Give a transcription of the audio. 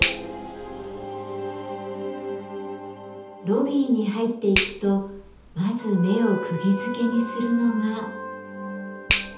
ロビーに入っていくとまず目をくぎづけにするのが。